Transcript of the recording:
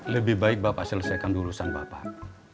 lebih baik bapak selesaikan dulusan bapak